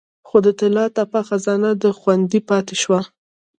خو د طلا تپه خزانه خوندي پاتې شوه